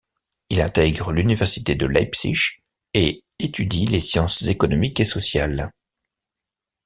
Il intègre l'université de Leipzig et étudie les sciences économiques et sociales.